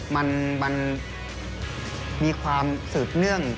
มันมีความสืบเนื่อง